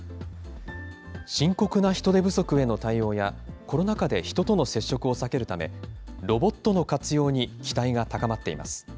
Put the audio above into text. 深刻な人手不足への対応や、コロナ禍で人との接触を避けるため、ロボットの活用に期待が高まっています。